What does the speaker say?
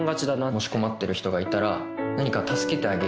もし困ってる人がいたら何か助けてあげるっていう。